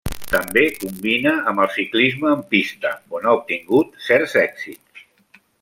També combina amb el ciclisme en pista, on ha obtingut certs èxits.